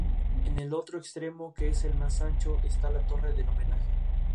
Nació en Alberta, pero pasó la mayor parte de su infancia en Calgary.